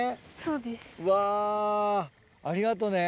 うわ！ありがとね。